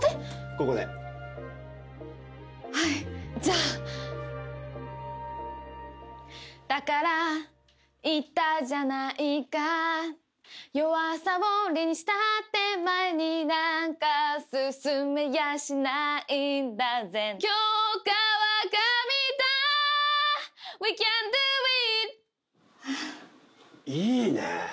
ここではいじゃあだから言ったじゃないか弱さをウリにしたって前になんか進めやしないんだせ今日が我が身だＷｅｃａｎｄｏｉｔいいねえ